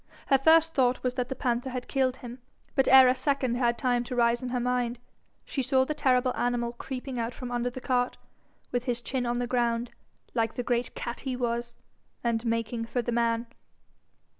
Her first thought was that the panther had killed him, but ere a second had time to rise in her mind, she saw the terrible animal creeping out from under the cart, with his chin on the ground, like the great cat he was, and making for the man.